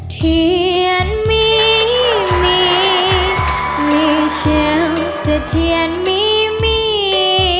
เทียนไม่มีมีเชื้อจะเทียนมีมี